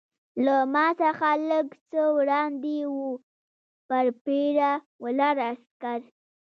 له ما څخه لږ څه وړاندې وه، پر پیره ولاړ عسکر.